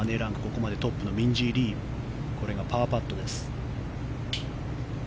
ここまでトップのミンジー・リーこれがパーパットです。